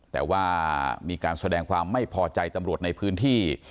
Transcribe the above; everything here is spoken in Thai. แต่ว่ามีการแสดงความไม่พอใจตำรวจในพื้นที่